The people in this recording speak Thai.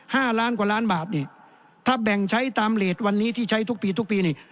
ห้าล้านกว่าล้านบาทนี่ถ้าแบ่งใช้ตามเลสวันนี้ที่ใช้ทุกปีทุกปีนี่